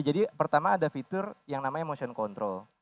jadi pertama ada fitur yang namanya motion control